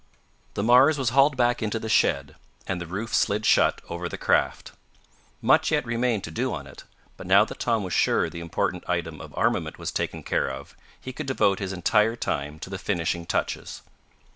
The Mars was hauled back into the shed, and the roof slid shut over the craft. Much yet remained to do on it, but now that Tom was sure the important item of armament was taken care of, he could devote his entire time to the finishing touches.